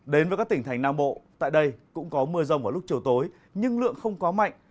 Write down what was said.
đến với các tỉnh thành nam bộ tại đây cũng có mưa rông vào lúc chiều tối nhưng lượng không quá mạnh